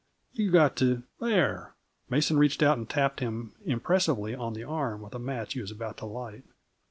You've got to " "There!" Mason reached out and tapped him impressively on the arm with a match he was about to light.